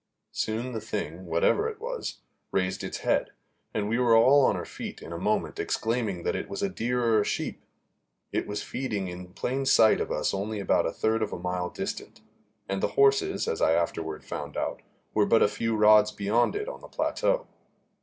Soon the thing, whatever it was, raised its head, and we were all on our feet in a moment, exclaiming that it was a deer or a sheep. It was feeding in plain sight of us only about a third of a mile distant, and the horses, as I afterward found, were but a few rods beyond it on the plateau.